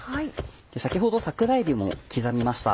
先ほど桜えびも刻みました。